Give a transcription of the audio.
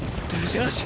よし！